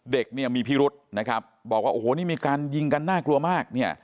เด็กเนี่ยมีพิรุษนะครับบอกว่าโอ้โหนี่มีการยิงกันน่ากลัวมากเนี่ย